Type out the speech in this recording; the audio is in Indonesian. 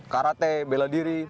karate bela diri